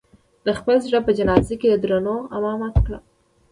د خپل زړه په جنازه کې د دردونو امامت کړم